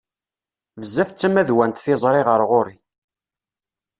Bezzaf d tamadwant tiẓri ɣer ɣur-i.